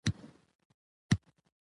ښۀ خبره دا ده چې انسان